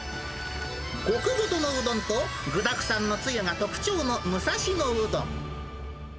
極太のうどんと、具だくさんのつゆが特徴の武蔵野うどん。